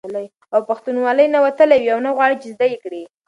او پښتنوالي نه وتلي وي او نه غواړي، چې زده یې کړي